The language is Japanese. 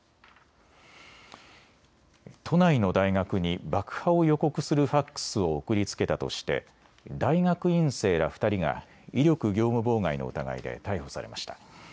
都内の大学に爆破を予告するファックスを送りつけたとして大学院生ら２人が威力業務妨害の疑いで逮捕されました。